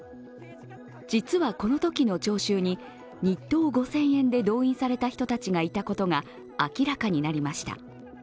実は、このときの聴衆に日当５０００円で動員された人たちがいたことが明らかになりました。